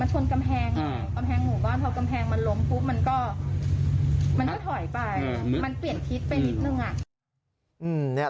มันก็ถอยไปมันเปลี่ยนคิดไปนิดหนึ่ง